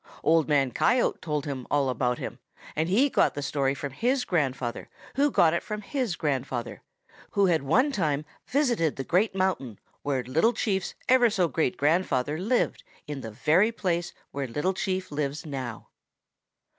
Old Man Coyote told him all about him, and he got the story from his grandfather, who got it from his grandfather, who had one time visited the great mountain where Little Chief's ever so great grandfather lived in the very place where Little Chief lives now.